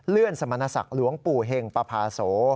เลื่อนสมรรณศักดิ์หลวงปู่เห็งปะพาโส